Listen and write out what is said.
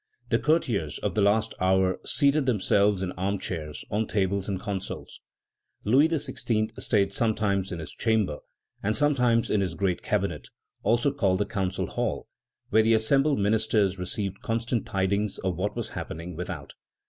The courtiers of the last hour seated themselves in armchairs, on tables and consoles. Louis XVI. stayed sometimes in his chamber and sometimes in his Great Cabinet, also called the Council Hall, where the assembled ministers received constant tidings of what was happening without.